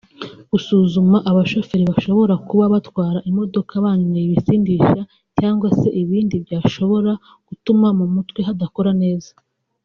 Gusuzuma abashoferi bashobora kuba batwara imodoka banyweye ibisindisha cyangwa se ibindi byashobora gutuma mu mutwe hadakora neza